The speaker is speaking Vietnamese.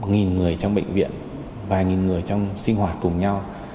nghìn người trong bệnh viện vài nghìn người trong sinh hoạt cùng nhau